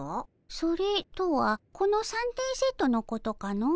それとはこの三点セットのことかの？